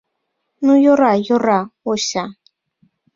— Ну, йӧра, йӧра, Ося.